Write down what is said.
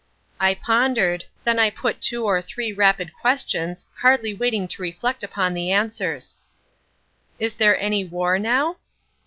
I pondered, then I put two or three rapid questions, hardly waiting to reflect upon the answers. "Is there any war now?"